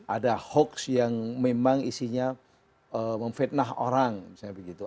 ada hoax yang memang isinya memfitnah orang misalnya begitu